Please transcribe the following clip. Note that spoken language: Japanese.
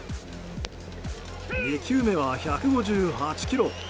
２球目は１５８キロ。